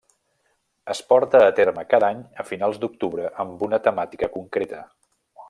Es porta a terme cada any a finals d’octubre amb una temàtica concreta.